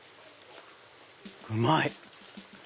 うまい！